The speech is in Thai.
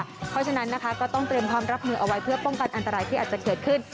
เพราะฉะนั้นนะคะก็ต้องเตรียมความรับมือเอาไว้เพื่อป้องกันอันตรายที่อาจจะเกิดขึ้น